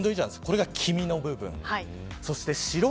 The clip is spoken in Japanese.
これが黄身の部分です。